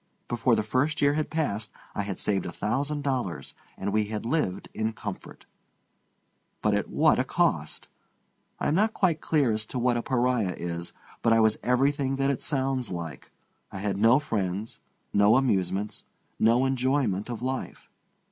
Before the first year had passed I had saved a thousand dollars, and we had lived in comfort. But at what a cost! I am not quite clear as to what a pariah is, but I was everything that it sounds like. I had no friends, no amusements, no enjoyment of life.